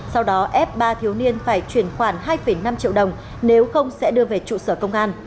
sau đó ép ba thiếu niên phải chuyển khoản hai năm triệu đồng nếu không sẽ đưa về trụ sở công an